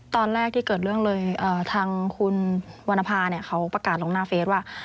ตอนแรกที่เกิดเรื่องเลยทางคุณวรรณภาเนี่ยเขาประกาศลงหน้าเฟสว่า